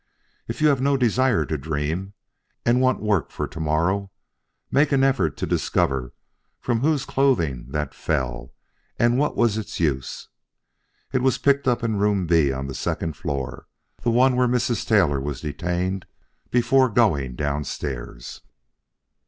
If you have no desire to dream, and want work for to morrow, make an effort to discover from whose clothing that fell and what was its use. It was picked up in Room B on the second floor, the one where Mrs. Taylor was detained before going downstairs."